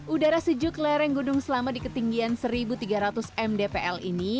udara sejuk lereng gunung selama di ketinggian satu tiga ratus mdpl ini